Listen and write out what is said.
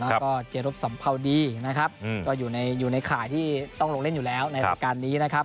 แล้วก็เจรบสัมภาวดีนะครับก็อยู่ในข่ายที่ต้องลงเล่นอยู่แล้วในรายการนี้นะครับ